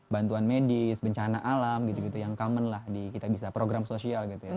bantuan medis bencana alam gitu gitu yang common lah di kitabisa program sosial gitu ya